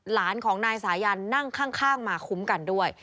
หลานของนายสายันนั่งข้างมาคุ้มกันด้วย